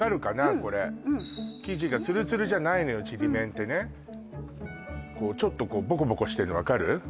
これ生地がツルツルじゃないのよちりめんってねこうちょっとこうボコボコしてるの分かる？